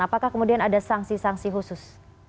apakah kemudian ada sanksi sanksi khusus